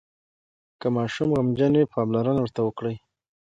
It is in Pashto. که ماشوم غمجن وي، پاملرنه ورته وکړئ.